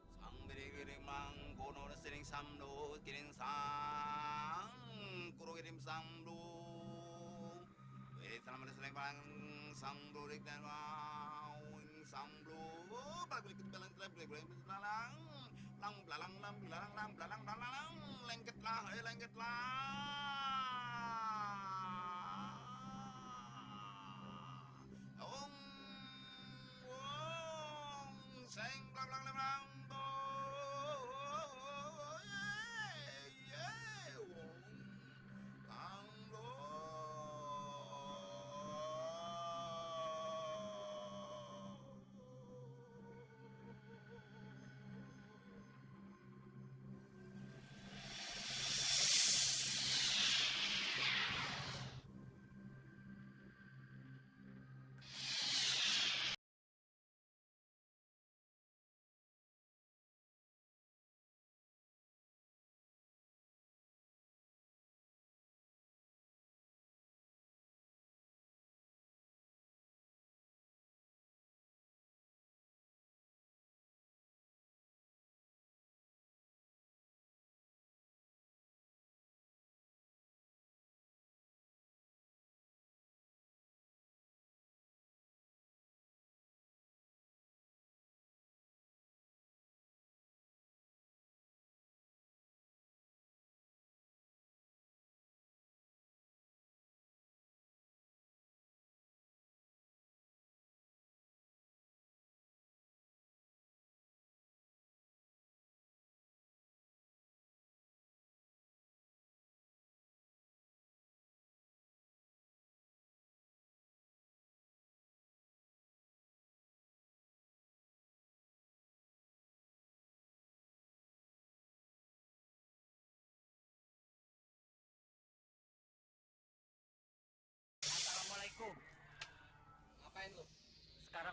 sambil berimbulun ten volunteers sendokirin saung korogrit semua